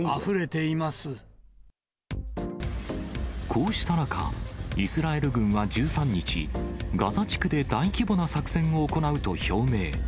こうした中、イスラエル軍は１３日、ガザ地区で大規模な作戦を行うと表明。